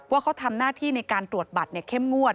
ว่าเขาทำหน้าที่ในการตรวจบัตรเข้มงวด